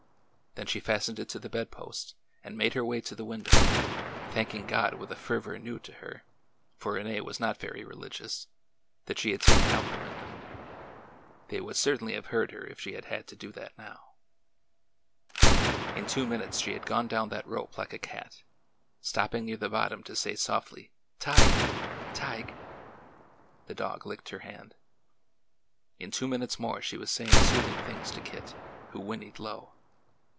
Then she fastened it to the bed post and made her way to the window, thanking God with a fervor new to her— for Rene was not very religious— that she had taken out the window. They would certainly have heard her if she had had to do that now. In two minutes she had gone down that rope like a cat, stopping near the bottom to say softly, "Tige! Tige!'' The dog licked her hand. In two minutes more she was saying soothing things to Kit, who whinnied low.